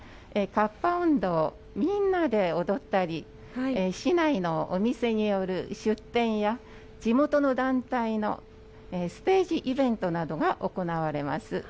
河童音頭をみんなで踊ったり市内のお店による出店や地元の団体のステージイベントなどが行われます。